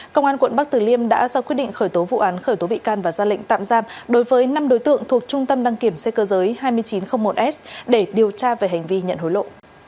công an quận bắc tử liêm đã ra quyết định khởi tố vụ án khởi tố bị can và ra lệnh tạm giam đối với năm đối tượng thuộc trung tâm đăng kiểm xe cơ giới hai nghìn chín trăm linh một s để điều tra về hành vi nhận hối lộ